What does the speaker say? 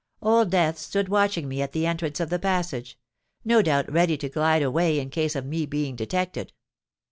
Old Death stood watching me at the entrance of the passage—no doubt ready to glide away in case of me being detected.